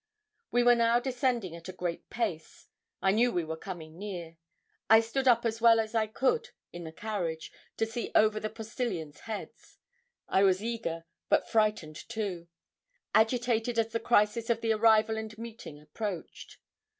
We were now descending at a great pace. I knew we were coming near. I stood up as well as I could in the carriage, to see over the postilions' heads. I was eager, but frightened too; agitated as the crisis of the arrival and meeting approached.